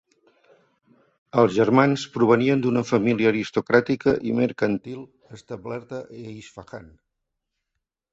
Els germans provenien d'una família aristocràtica i mercantil establerta d'Isfahan.